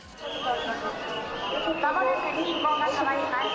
まもなく信号が変わります。